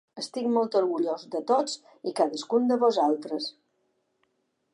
Estic molt orgullós de tots i cadascun de vosaltres.